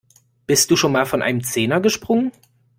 Bist du schon mal von einem Zehner gesprungen?